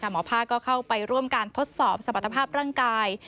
หมอภาคก็เข้าไปร่วมการทดสอบสมรรถภาพร่างกาย